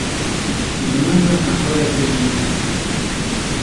Ji min re qehweyekê bîne.